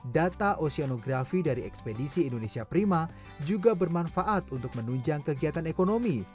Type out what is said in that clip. data oseanografi dari ekspedisi indonesia prima juga bermanfaat untuk menunjang kegiatan ekonomi